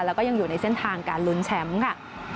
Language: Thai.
แล้วก็ยังอยู่ในเส้นทางการลุ้นแชมป์ค่ะ